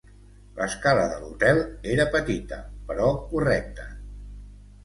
L'escala de l'hotel era petita, però correcta.